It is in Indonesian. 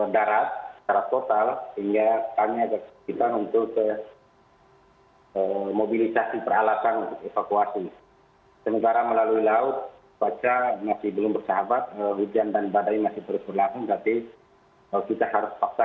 barusan tim bpbd dan bapak bapak terkait di bawah kemungkinan pak bupati dan pak danding serta pak flores